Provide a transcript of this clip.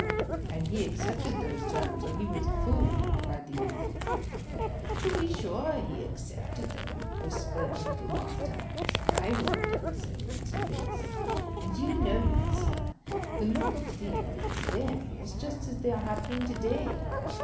"And he accepted those terms, or he was a fool!" cried the youth. "To be sure he accepted them," whispered the little Master. "I would have done so in his place! And do you know, young sir, the look of things then was just as they are happening to day.